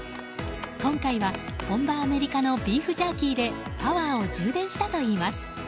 今回は、本場アメリカのビーフジャーキーでパワーを充電したといいます。